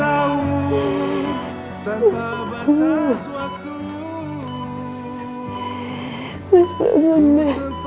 aku merasa terlalu takut